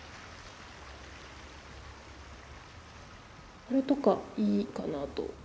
これとかいいかなと。